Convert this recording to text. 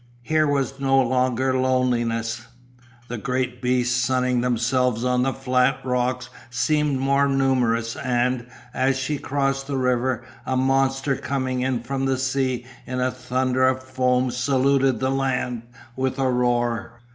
Here was no longer loneliness. The great beasts sunning themselves on the flat rocks seemed more numerous and, as she crossed the river, a monster coming in from the sea in a thunder of foam saluted the land with a roar.